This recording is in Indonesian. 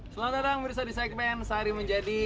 selamat datang di segmen sari menjadi